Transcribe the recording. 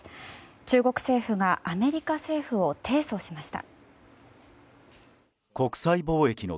中国政府がアメリカ政府を提訴しました。